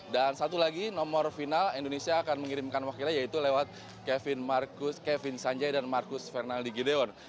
dan satu lagi nomor final indonesia akan mengirimkan wakilnya yaitu lewat kevin sanjay dan marcus fernaldi gideon